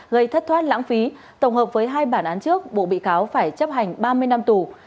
gây thất thoát lãng phí tổng hợp với hai bản án trước bộ bị cáo phải chấp hành ba mươi năm tù